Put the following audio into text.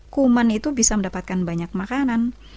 kuman itu bisa mendapatkan banyak makanan